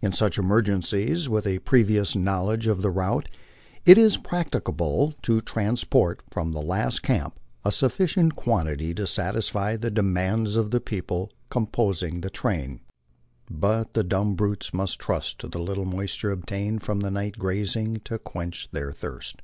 In such emergencies, with a previous knowledge of the route, it is practicable to trans port from the last camp a sufficient quantity to satisfy the demands of the people composing the train, but the dumb brutes must trust to the little moisture obtained from the night grazing to quench their thirst.